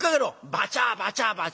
バチャバチャバチャ！